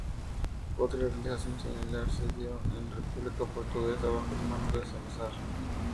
Otra realización similar se dio en la República Portuguesa bajo el mando de Salazar.